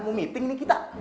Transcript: mau meeting nih kita